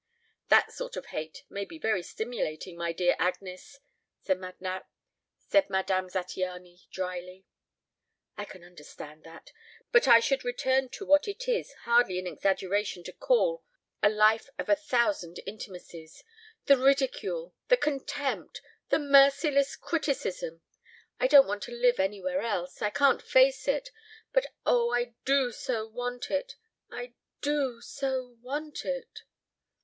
"That sort of hate may be very stimulating, my dear Agnes," said Madame Zattiany drily. "I can understand that. But I should return to what it is hardly an exaggeration to call a life of a thousand intimacies. The ridicule! The contempt! The merciless criticism! I don't want to live anywhere else. I can't face it! But, oh, I do so want it! I do so want it!"